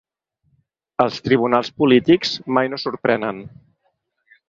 Els tribunals polítics mai no sorprenen.